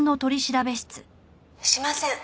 「しません」